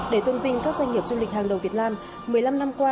để tôn vinh các doanh nghiệp du lịch hàng đầu việt nam một mươi năm năm qua